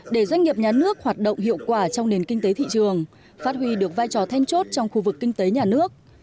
để doanh nghiệp nhà nước hoạt động hiệu quả trong nền kinh tế thị trường phát huy được vai trò then chốt trong khu vực kinh tế nhà nước